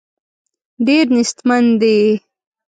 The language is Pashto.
ډېر نېستمن دي.